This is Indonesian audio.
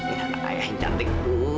ini anak ayah yang cantik